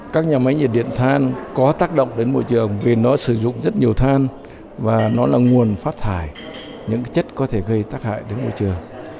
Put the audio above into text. các nhà máy nhiệt điện than có tác động đến môi trường vì nó sử dụng rất nhiều than và nó là nguồn phát thải những chất có thể gây tác hại đến môi trường